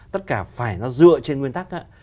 tất cả phải nó dựa trên nguyên tắc